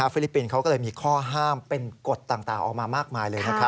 ลิปปินส์เขาก็เลยมีข้อห้ามเป็นกฎต่างออกมามากมายเลย